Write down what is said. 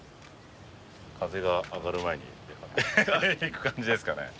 風があがる前に行く感じですかね？